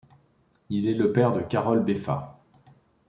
Il est le père de Karol Beffa.